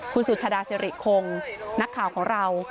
คุณสุชาดาสิริคงนักข่าวของเรา